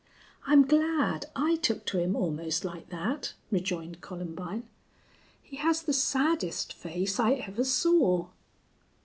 "I'm glad. I took to him almost like that," rejoined Columbine. "He has the saddest face I ever saw."